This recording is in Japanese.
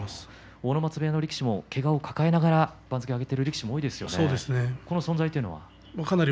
阿武松部屋の力士もけがを抱えながらやっている方も多いですね。